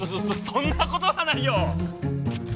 そんなことはないよ！